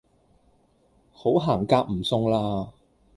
好行夾唔送啦